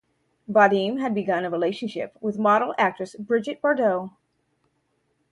Vadim had begun a relationship with model-actress Brigitte Bardot.